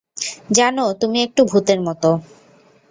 জানো, তুমি একটু ভূতের মতো।